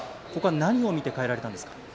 何を見て代えられたんですか。